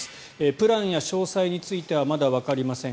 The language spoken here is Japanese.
プランや詳細についてはまだわかりません。